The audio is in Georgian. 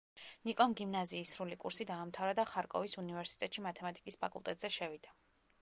ნიკომ გიმნაზიის სრული კურსი დაამთავრა და ხარკოვის უნივერსტეტში, მათემატიკის ფაკულტეტზე შევიდა.